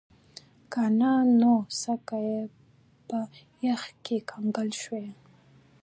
که نه نو سکي به په یخ کې کنګل شي